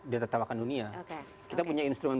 ditertawakan dunia kita punya instrumen